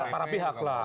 para pihak lah